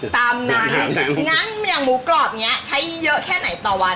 ตามนั้นงั้นอย่างหมูกรอบเนี้ยใช้เยอะแค่ไหนต่อวัน